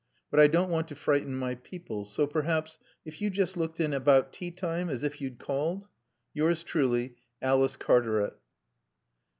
But I don't want to frighten my people so perhaps, if you just looked in about teatime, as if you'd called? "Yours truly, "ALICE CARTARET."